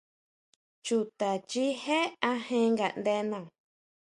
Chuta chijé ajen ngaʼndena.